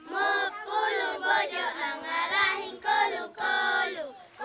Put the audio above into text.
mupulu bojo anggalahin kolu kolu